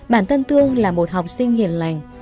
bản thân thương là một học sinh hiền lành